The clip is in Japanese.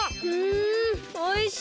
んおいしい！